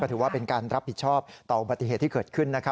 ก็ถือว่าเป็นการรับผิดชอบต่อปฏิเหตุที่เกิดขึ้นนะครับ